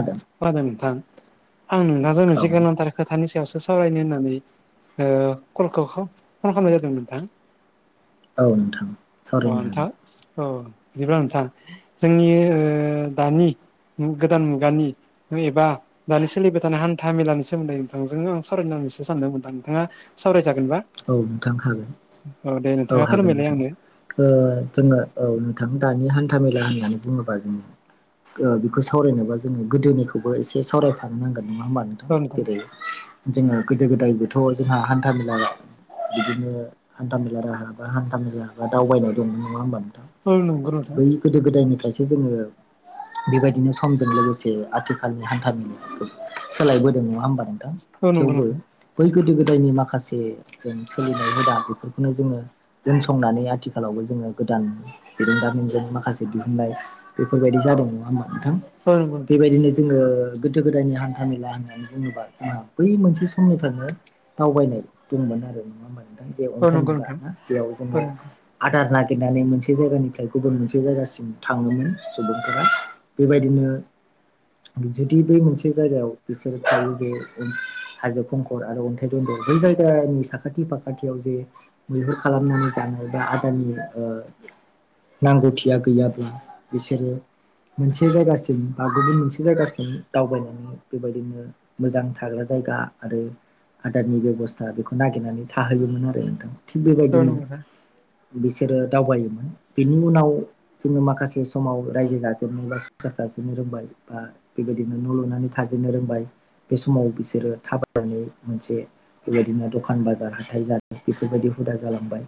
हागोन खोनादों नोंथां। आं नोंथासो औ मोनसे गोनांथार खोथानि सायावसो सावरायनो होननानै ओ कलखौ फन खालामनाय जादों नोंथां औ नोंथां अ सावरायनो हागोन नोंथां। औ बिदिब्ला नोंथां जोंनि ओ दानि नों गोदान मुगानि नों एबा दानि सोलिबाय थानाय हान्था मेलानि सोमोन्दै नोंथांजों आं सावरायनानैसो सानदोंमोनदों नोंथाङा सावरायजागोनबा औ नोंथां हागोन औ दे नोंथाङा हागोन फोरमायलाय नोंथां आंनो। ओ जोङो औ नोंथां दानि हान्थाामेला होननानै बुङोबा जोङो बेखौ सावरायनोबा जोङो गोदोनिखौबो एसे सावरायफानो नांगोन नङा होमबानो औ नोंथां जेरै जोङो गोदो गोदायबोथ' जोंहा हान्था मेला ल' बिदिनो हान्था मेला राहाबा हान्था मेला बा दावबायनायाव दंमोन नङा होनोमबा नोंथां! औ नंगो नोंथां। बै गोदो गोदायनिफ्रायसो जोङो बेबायदिनो समजों लोगोसे आथिखालनि हान्था मेलायाबो सोलायबोदों नङा होनबा नों थां। औ नंगौ थेवबो नोंथां बै गोदो गोदायनि माखासे जों सोलिनाय हुदा बेफोरखौनो जोङो दोनसंनानै आथिखालावबो जोङो गोदान बिरोंदामिनजों माखासे दिहुननाय बेफोरबायदि जादों नङा होमबा नोंथां? औ नंगौ नोंथां बेबायदिनो जोङो गोदो गोदायनि हान्था मेला होननानै बुङोबा जोंहा बै मोनसे समनिफ्रायनो दावबायनाय दंमोन आरो नङा होमबा नोंथां जे औ अन्थाइ नंगौ मुगा नोंथां ना बेयाव औ जोङो नंगौ आदार नागिरनानै मोनसे जायगानिफ्राय गुबुन मोनसे जायगासिम थाङोमोन सुबुंफोरा। बेबायदिनो जुदि बै मोनसे जायगायाव बिसोर थायो जे ओ हाजो खंखर आरो अन्थाइ दन्द'र बै जायगा [unintelligible] नि साखाथि फाखाथियाव जे मैहुर खालामनानै जानाय बा आदारनि ओ नांगौथिया गैयाब्ला बिसोरो मोनसे जायगासिम बा गुबुन मोनसे जायगासिम दावबायलाङो। बेबायदिनो मोजां थाग्रा जायगा आरो आदारनि बेबस स्था बेखौ नागिरनानै थाहोयोमोन आरो नोंथां। थिग औ बेबायदिनो नंगौ नोंथां बिसोरो दावबायोमोन। बिनि उनाव जोङो माखासे समाव रायजो जाजोबनो बा संसार जाजोबनो रोंबाय बा बेबायदिनो न' लुनानै थाजेननो रोंबाय। बे समाव बिसोरो थाबायनै मोनसे बेबायदिनो दखान बाजार हाथाइ जानाय बेफोरबायदि हुदा जालांबाय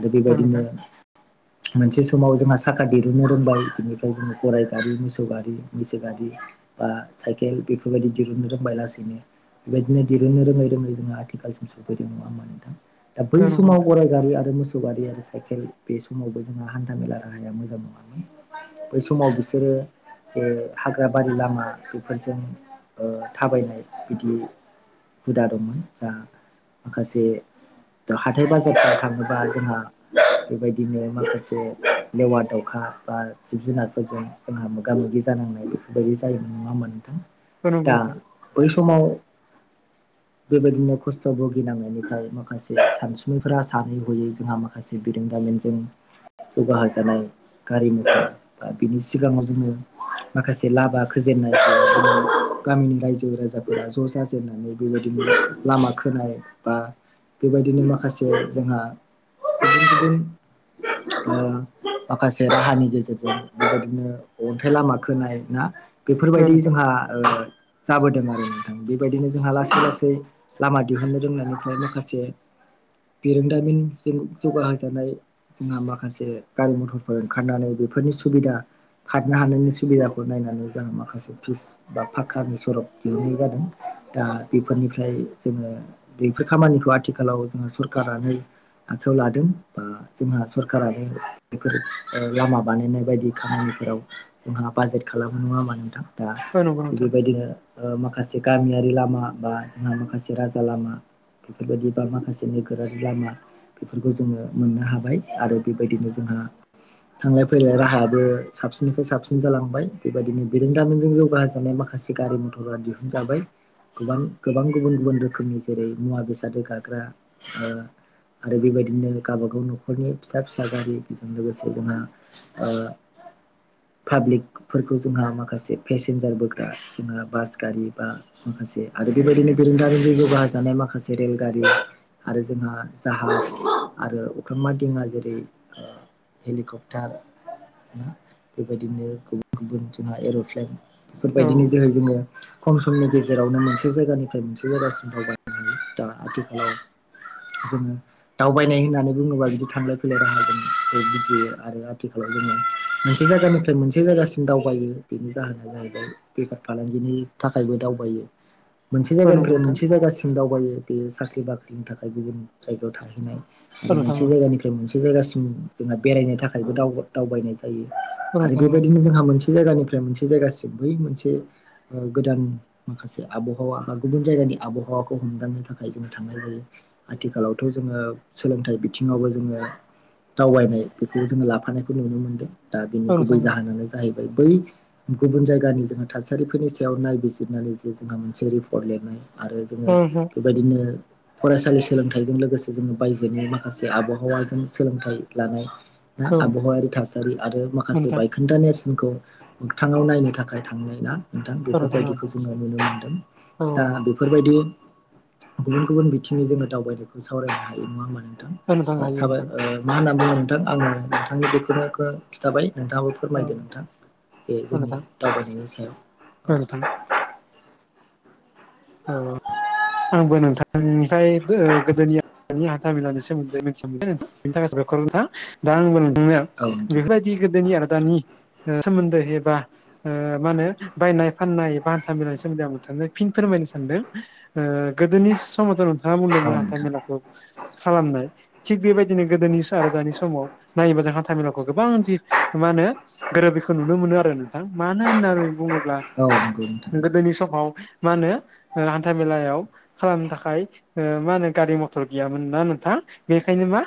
आरो औ नोंथां औ बेबायदिनो [inaudible] मोनसे समाव जोंहा साखा दिरुननो रोंबाय। बिनिफ्राय जोङो गराइ गारि, मोसौ गारि, मैसौ गारि बा साइकेल बेफोरबायदि दिरुननो रोंबाय लासैनो। बेबायदिनो दिरुननो रोङै रोङै जोङो आथि आथिखालसिम सफैदो नङा होमबा नोंथां? दा बै नंगौ समाव नोंथां गराय गारि आरो मोसौ गारि आरो ‌ साइकेल बे समावबो जोंहा हान्थामेला राहाया मोजां नङामोन। बै समाव बिसोरो जे हाग्रा बारि लामा, बेफोरजों ओ थाबायनाय बिदि हुदा दंमोन, जा माखासे दा हाथाय बाजारफ्राव थानोबा जोंहा बेबायदिनो माखासे लेवा दावखा बा जिब जुनारफोरजों जोंहा मोगा मोगि जानांनाय बेबायदि जायो नङा होमबा नोथां? औ नंगौ दा नोंथां बै समाव बेबायदिनो खस्थ' भुगिनांनायनिफ्राय माखासे सानसुमैफोरा सानै हयै जोंहा माखा माखासे बिरोंदामिनजों जौगाहोजानाय गारि मथर बा बिनि सिगाङाव जोङो माखासे लामा खोजेननाय [unintelligible] गामिनि रायजो राजाफोरा ज' जाजेननानै बेबायदिनो लामा खोनाय बा बेबायदिनो माखासे जोंहा गुबुन गुबुन ओ माखासे राहानि गेजेरजों बेबायदिनो अन्थाइ लामा खोनाय ना? औ बेफोरबायदि नोंथां जोंहा ओ जाबोदों आरो नोंथां बेबायदिनो जोंहा लासै लासै लामा दिहुननो रोंनायनिफ्राय माखासे बिरोंदामिनजों जौगाहोजानाय जोंहा माखासे गारि मथरफोर ओंखारनानै बेफोरनि सुबिदा खारनो हानायनि सुबिदाखौ नायनानै जों माखासे फिस बा फाख्खानि सरप दिहुननाय जादों। दा बेफोरनिफ्राय जोङो बेफोर खामानिखौ आथिखालाव जोङो सरखारानो आखायाव लादों बा जोंहा सरखारानो बेफोर ओ लामा बानायनाय बायदि खामानिफोराव जोंहा बाजेट खालामो नङा होमबा नोंथां? औ नंगौ दा नोंथां बेबायदिनो ओ माखासे गामियारि लामा बा जोंहा माखासे राजा लामा, बेफोरबायदि बा माखासे नोगोरारि लामा बेफोरखौ जोङो मोननो हाबाय आरो बेबायदिनो जोंहा थांलाय फैलाय राहायाबो साबसिननिफ्राय साबसिन जालांबाय। बेबायदिनो बेरोंदामिजों जौगाहो जानाय माखासे गारि मथरा दिहुनजाबाय गोबां, गोबां गुबुन, गुबुन। रोखोमनि जेरै मुवा बेसाद रोगाग्रा ओ। आरो बेबायदिनो गावबागाव न'खरनि फिसा - फिसा गारिजों लोगोसे जोंहा। ओ पाब्लिक। फोरखौ जोंहा माखासे पेसेन्जार बोग्रा जोंहा बास गारि बा। माखासे आरो बेबायदिनो गोरोंदामिनजों जौगाहो जानाय माखासे रेलगारि। आरो जोंहा जाहाज आरो अख्रांमा दिङा जेरै हेलिकप्टार। ना बेबायदिनो गुबुन, गुबुन जोंहा एर'प्लेन। बेफोरबायदिनो औ जेरै जोंङो खम समनि गेजेरावनो मोनसे जायगानिफ्राय मोनसे। बै जायगासिम दावबायनो हायो दा आथिखालाव जोंङो। दावबायनाय होननानै बुङोबा बिदि थांलाय -फैलाय राहा जों बुजियो आरो आथिखालाव जोंङो मोनसे जायगानिफ्राय मोनसे जायगासिम दावबायो बेनि जाहोना जाहैबाय। बेफार, फालांगिनि थाखायबो दावबायो मोनसे औ जायगानिफ्राय। नंगौ नोंथां जायासिम दावबायो बेयो साख्रि- बाख्रिनि थाखाय गुबुन जायगायाव थाहैनाय औ आरो नोंथां मोनसे औ जायगानि मोनसे जायगासिम जोंहा बेरायनो थाखायबो दाव दावबायनाय जायो औ आरो नोंथां औ बेबायदिनो जोंहा मोनसे मोनसे जायगानिफ्राय मोनसे जायगासिम बै मोनसे ओ गोदान माखासे आबहावा। गुबुन जायगानि आबहावाखौ हमदांनो थाखाय जोंङो थांनाय जायो। आथिखालावथ' जोंङो सोलोंथाइ बिथिङावबो जोंङो। दावबायनाय बेखौ जोंङो लाफानायखौ नुनो मोनदों दा औ बिनि गुबै नोंथां औ जाहोनानो जों जाहैबाय बै गुबुन जायगानि जोंङो थासारिफोरनि सायाव नायबिजिरनानै जे जोंहा मोनसे भट लिरनाय आरो औ नोंथां औ जोंङो नोंथां बेबायदिनो फरायसालि सोलोंथाइजों लोगोसे जोंङो बायजोनि माखासे आबहावाजों सोलोंथाइ लानाय आबहावायारि थासारि आरो माखासे बाय [unintelligible] नेसनखौ मोगथाङाव नायनो थाखाय थांनाय ना नोंथां औ औ बेफोरबायदिखौ जोंङो नुनो मोनदों। औ दा बेफोरबायदि गुबुन गुबुन बिथिङनि जोंङो दावबायनायखौ सावरायनो हायो नङा औ नोंथां होना हायो साबाय नोंथां ओ मा होनना बुङो नोंथां आंङो नोंथांनि बेखौनो खिन्थाबाय नोंथाङाबो औ फोरमायदो नोंथां जे औ जोंनि नोंथां दावबायनायनि सायाव औ ओ आंबो नोंथांनिफ्राय ओ गोदोनि हाथाामेलानि सोमोन्दैथि मोनबाय नोंथां बेनि थाखाय साबायखर नोंथा दा आंबो नोंथांनो औ नोंथां बेफोरबायदि गोदोनि आरो दानि सोमोन्दो एबा मा होनो बायनाय फाननाय ब हान्थाेलानि सोनदैं फिन फोरमाय सानदों गोदोनि समथ' नोंथाङा औ बुंदोंमोन हान्था नोंथां मेलाखौ खालामनाय थिग बेबायदिनो गोदोनिसो आरो दानि समाव नायोब जों हान्थ मेलाखौ गोबां दि मा होनो गोरोब बेखौ नुनो मोनो आरो नोंथां मानो होननानै बोब्ला औ नंगौ नोंथां ब्ला गोदोनि समाव मा होनो हान्था मेलायाव खालामनो थाखाय मा होनो गारि मथर गैयामोन ना नोंथां बेनिखायनो मा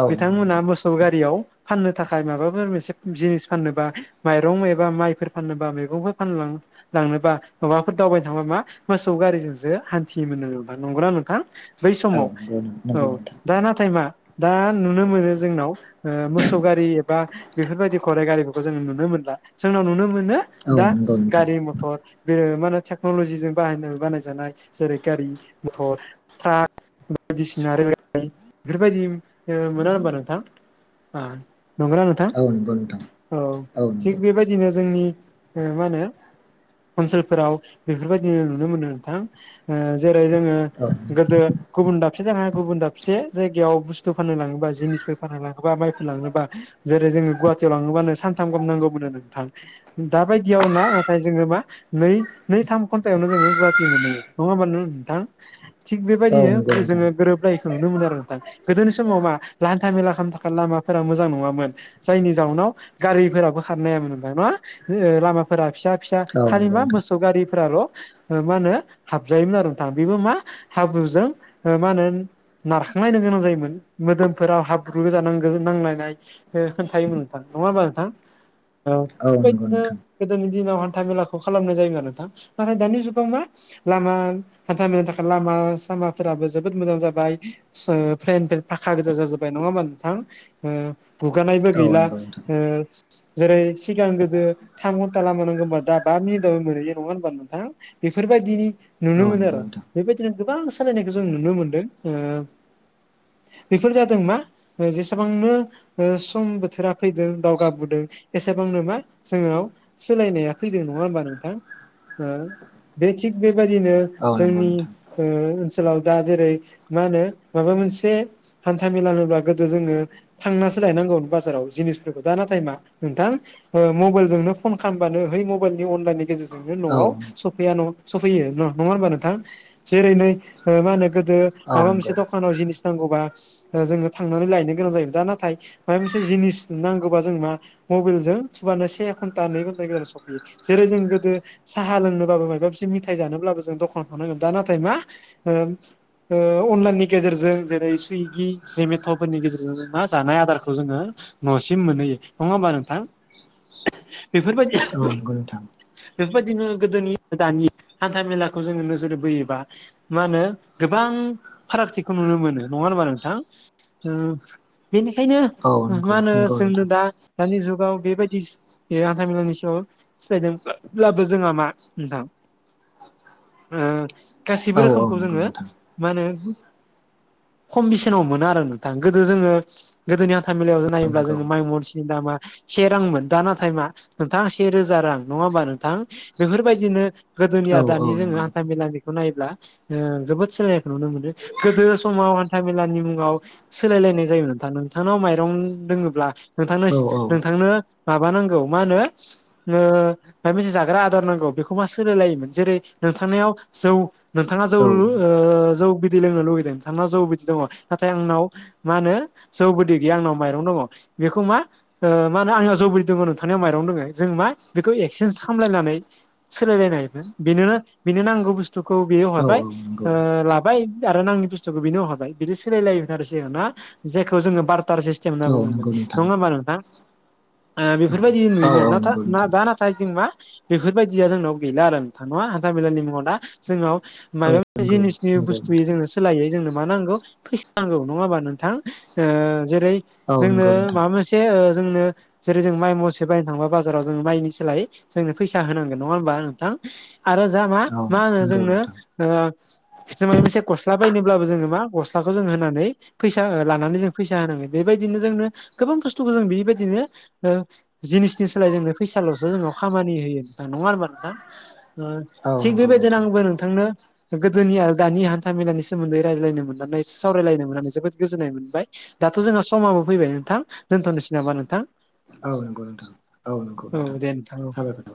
औ नंगौ बिथांमोनहा नोंथां मोसौ गारियाव फाननो थाखाय माबाफोर मोनसे जिनिस फाननोबा माइरं एबा माइफोर फाननोबा मैगंफोर फानलां लांनोबा माबाफोर दावबायनो थांबा मा मो सौगारिजोंसो हान्थियोमोन नोंथां नंगौना नोंथां? बै औ समाव नंगौ नंगौ औ नोंथां दा नाथाय मा दा नुनो मोनो जोंनाव मोसौ गारि एबा बेफोरबायदि खराइ गारिफोरखौ जोङो नुनो मोनला जोंनाव नुनो मोनो औ दा नंगौ नोंथां गारि मथर बे माने टेक्न'लजिजों बाहाय बानायजानाय जेरै गारि मथर ट्राक बायदिसिना रलगारि बेफोरबायदि ओ मोना होनबा नोंथां आ नोंगौना नोंथां औ नंगौ नोंथां औ थिग बेबायदि दिनो जोंनि ओ मा होनो ओनसोलफोराव बेफोरबायदिनो नुनो मोनो। थां ओ जेरै जोंङो औ नंगौ नोंथां गोदो गुबुन दाबसे जाया गुबुन दाबसे जायगायाव बुस्थु फाननो लाङोबा जिनिसफो फाननो लाङोबा माइफोर लाङोबा जेरै जोङो गुवाहाटियाव लाङोबानो सानथाम गाहाम नांगौमोननो नोंथां। दाबायदियाव ना नाथाय जोङो मा नै नै थाम घन्टायावनो जोङो गुवा ति मोनहैयो नङा होमबा नोंथां थिग औ बेबायदिनो नंगौ नोंथां जोङो गोरोबलाय नुनो मोनो आरो नोंथां गोदोनि समाव मा लान्था मेला खालामनो थाखाय लामाफोरा मोजां नङामोन। जायनि जाउनाव गारिफोराबो खारनो हायामोन नोंथां नङा लामा फोरा फिसा फिसा औ खालि नंगौ नोंथां मा मोसौ गारिफोराल' मा होनो हाबजायोमोन आरो नोंथां बेबो मा हाब्रुजों ओ मा होनो नारखांलायनो गोनां जायोमोन मोदोमफोराव हाब्रु गोजा नांगो नांलायनाय। ओ खोनथायोमोन नोंथां नङा होमबा नोंथां? औ बेबायदिनो गोदोनि दिनाव हान्था मेलाखौ खालामनाय जायोमोन आरो नोंथां नाथाय दानि जुग गाव मा लामा हान्था मेनि थाखाय लामा सामाफोराबो जोबोद मोजां जाबाय फ्लेन फेन फाखा गोजा जाजोबबाय नङा होमबा नोंथां? ओ गुगानायबो औ गैला ओ जेरै सिगां गोदो थाम घन्टा लामा नांगौ होनबा दा बा मिनिटआव मोनहैयो नङा होमबा नोंथां? बेफोरबायदिनि नुनो मोनो नंगौ नोंथां औ नंगौ आरो। नोंथां बेबायदिनो गोबां सोलायनायखौ जों नुनो मोनदों बेफोर जादों मा जेसेबांनो ओ सम बोथोरा फैदों दावगाबोदों एसेबांनो मा जोंनाव सोलायनाया फैदों नङा होमबा नोंथां ओ बे थिग बेबायदिनो औ नंगौ जोंनि नोंथां ओ ओनसोलाव दा जेरै मा होनो माबा मोनसे हान्था मेला होनब्ला गोदो जोङो थांनासो लायनांगौ बाजाराव जिनिसफोरखौ दा नाथाय मा नोंथां ओ मबाइल जोंनो फन खालामबानो है मबाइलनि अनलाइननि गेजेरजोंनो औ न'आव औ स फैया न सफैयो न नङा होनबा नोंथां जेरै नै ओ मा होनो गोदो माबा मोनसे नंगौ दखानाव जिनिस नांगौबा जोङो थांनानै लायनो गोनां जायोमोन दा नाथाय माबा मोनसे जिनिस नांगोबा जों मा मबाइलजों थुबानो से घन्टा नै घन्टा गेजेराव सफैयो जेरै जों गोदो साहा लोंनो माबा मोनसे मिथाइ जानोल्बाबो दखानाव थांनांगौमोन दा नाथाइ मा ओ ओ अनलाइननि गेजेरजों जेरै सुइगि जेमेट'फोरनि गेजेरजों मा जानाय आदारखौ जोङो न'सिम मोनहैयो नङा होमबा नोंथां बेफोरबायदि औ नंगौ नोंथां। बेफोरबायदिनो गोदोनि दानि हान्था मेलाखौ जोङो नोजोर बोयोबा मा होनो गोबां फारागथिखौ नुनो मोनो नङा होमबा नोंथां? उम बेनिखायनो औ मा नंगौ होनो नंगौ जोंनो नोंथां दा दानि जुगाव बेबायदि हान्थामेलानि सायाव सिनायदोंब्लाबो जोंहा मा नोंथां ओ गासिबो औ औ रोखोमखौ नंगौ जोङो नोंथां मा होनो खम बेसेनाव मोना आरो नोंथां गोदो जोङो गोदोनि हान्था मेलायाव नायोब्ला नंगौ जोङो माइ मनसेनि दामा से रांमोन दा नाथाय मा नोंथां से रोजा रां नङा होमबा नोंथां बेफोरबायदि दिनो औ गोदोनिया दानि औ जोङो नंगौ हान्था मेलानिखौ नायोब्ला ओ जोबोद सोलायनायखौ नुनो मोनो गोदो समाव हान्था मेलानि मुङाव सोलायलायनाय जायो नोंथां नोंथांनाव माइरं दोङोब्ला नोंथांनो औ नोंथांनो माबा नांगौ मा होनो ओ मायबा मोनसे जाग्रा आदार नांगौ बेखौ खौबा सोलायलायोमोन जेरै नोंथांनियाव जौ नोंथाङा जौ औ ओ जौ बिदै लोंनो लुुबैदों नोंथांनाव जौ बिदि दङ नाथाय आंनाव मा होनो जौ बिदै गैया आंनाव माइरं दङ बेखौ मा ओ मा होनो आंनियाव जौ बिदै दङ नोंथांनियाव माइरं दोङो जों मा बेखौ एक्सेन्ज खामलायनानै सोलायलायनायमोन बेनो बेनो नांगौ बुस्थुखौ बेयो औ हरबाय। नंगौ ओ लाबाय आरो नाङि बुस्थुखौ बिनो हरबाय बिदि सोलायलायोमोन आरो सिगां ना? जेखौ जोङो बार्टार सिस्टेम होनना औ बुङोमोन नंगौ नोंथां नङा होमबा नोंथां? ओ औ बेफोरबायदि औ नुयोमोन औ नाथा नंगौ नोंथां दा नाथाय जों मा बेफोरबाय दिया जोंनाव गैला आरो नोंथां नङा हान्था मेलानि मुङाव दा जोंनाव औ मायबा नंगौ जिनिसनि नंगौ बुस्थुयै नोंथां जोङो सोलायै जोंनो मा नांगौ फैसा नांगौ नङा होमबा नोंथां ओ जेरै औ जोंनो नंगौ नोंथां माबा मोनस से ओ जोंनो जेरै जों माइ मसे बायनो थांबा बाजाराव जों माइनि सोलायै जोंनो फैसा होनांगोन। नङा होमबा नोंथां आरो जा मा औ मा होनो नंगौ जोंनो नोंथां ओ जों मायबा मोनसे गस्ला बायनोब्लाबो जोङो मा गस्लाखौ जों होनानै फैसा लानानै जों फैसा होनांगोन बेबायदिनो जोंनो गोबां बुस्थुखौ जों बेबायदिनो ओ जिनिसनि सोलायै जोंनो फैसाल'सो जोंनाव खामानि होयो। नङा होनबा नोंथां ओ औ थिग नंगौ बेबायदिनो नोंथां आंबो नोंथांनो गोदोनि आरो दानि हान्था मेलानि सोमोन्दै रायज्लायनो मोननानै इसे सावरायलायनो मोननानै जोबोद गोजोन्नाय मोनबाय। दाथ' जोङा समाबो फैबाय नोंथां दोन्थ'नोसै नामा नोंथां? औ नंगौ नोंथां औ नंगौ नोंथां। साबायखर